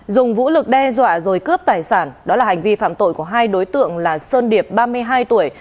dùng vũ lực đe dọa rồi cướp tài sản đó là hành vi phạm tội của hai đối tượng là sơn điệp ba mươi hai tuổi